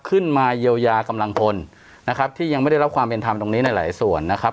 ขึ้นมาเยียวยากำลังพลนะครับที่ยังไม่ได้รับความเป็นธรรมตรงนี้ในหลายส่วนนะครับ